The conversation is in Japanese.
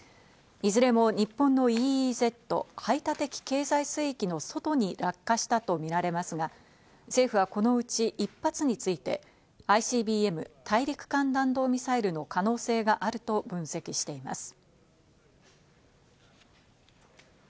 いずれも日本のＥＥＺ＝排他的経済水域の外に落下したとみられますが、政府はこのうち１発について、ＩＣＢＭ＝大陸間弾道ミサイルの可能性があると分析しています。